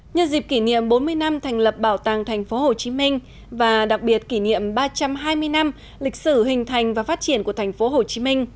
nhân dịp kỷ niệm bốn mươi năm thành lập bảo tàng tp hcm và đặc biệt kỷ niệm ba trăm hai mươi năm lịch sử hình thành và phát triển của tp hcm